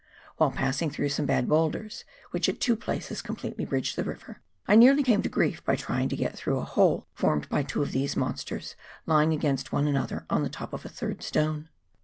While passing through some bad boulders, which at two places completely bridged the river, I nearly came to grief by trying to get through a hole formed by two of these monsters lying against one another on the top of a third stone.